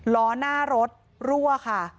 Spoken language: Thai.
ล้อหน้ารถรั่วค่ะ